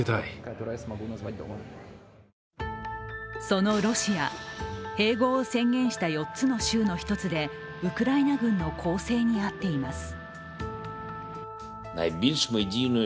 そのロシア、併合を宣言した４つの州の１つでウクライナ軍の攻勢に遭っています。